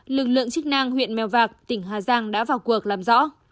lực lượng chức năng huyện mèo vạc tỉnh hà giang đã vào cuộc làm rõ